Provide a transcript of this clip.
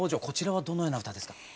こちらはどのような歌ですか？